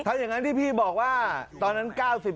ถ้าอย่างนั้นที่พี่บอกว่าตอนนั้น๙๐